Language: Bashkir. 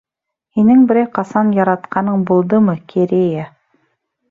Һинең берәй ҡасан яратҡаның булдымы, Керея?